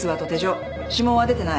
☎指紋は出てない。